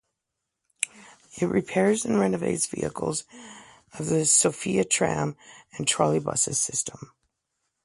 It repairs and renovates vehicles of the Sofia tram and trolleybus systems.